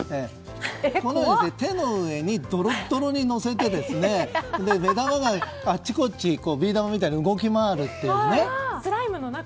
手の上にドロドロに乗せて目玉があっちこっちビー玉みたいに動き回るっていうね。